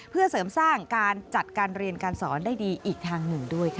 เพื่อเสริมสร้างการจัดการเรียนการสอนได้ดีอีกทางหนึ่งด้วยค่ะ